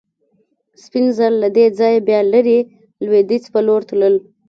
سپین زر له دې ځایه بیا لرې لوېدیځ په لور تلل.